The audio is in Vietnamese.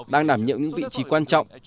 đang nảm nhượng những vị trí quan trọng